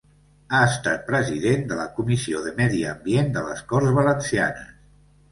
Ha estat president de la Comissió de Medi Ambient de les Corts Valencianes.